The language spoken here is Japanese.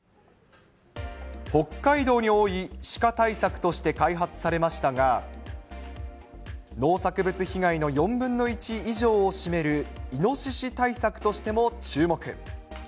北海道に多いシカ対策として開発されましたが、農作物被害の４分の１以上を占めるイノシシ対策としても注目。